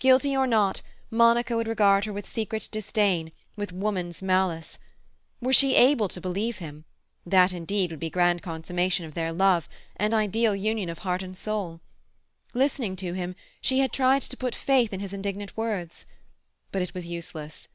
Guilty or not, Monica would regard her with secret disdain, with woman's malice. Were she able to believe him, that indeed would be a grand consummation of their love, an ideal union of heart and soul. Listening to him, she had tried to put faith in his indignant words. But it was useless.